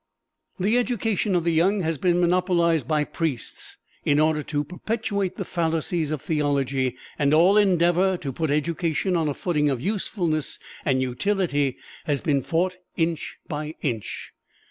The education of the young has been monopolized by priests in order to perpetuate the fallacies of theology, and all endeavor to put education on a footing of usefulness and utility has been fought inch by inch.